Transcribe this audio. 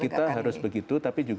kita harus begitu